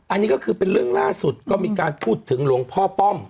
อันนี้ก็คือเป็นเรื่องล่าสุดก็มีการพูดถึงหลวงพ่อป้อม